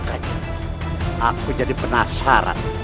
aku jadi penasaran